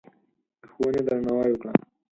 د ښوونې درناوی وکړه.